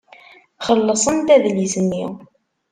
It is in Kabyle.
Xellṣent adlis-nni.